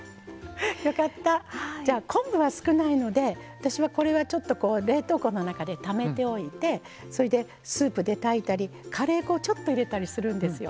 じゃあ、昆布は少ないのでこれは冷凍庫の中でためておいてそれで、スープで炊いたりカレー粉をちょっと入れたりするんですよ。